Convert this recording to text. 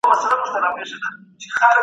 که خاوند په يوه خبره يا کار په غصه سي.